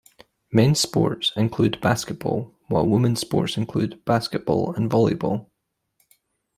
Men's sports include basketball; while women's sports include basketball and volleyball.